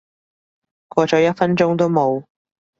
過咗一分鐘都冇